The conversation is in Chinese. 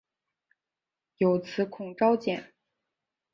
有子孔昭俭。